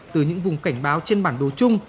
từ những vùng cảnh báo trên bản đồ chung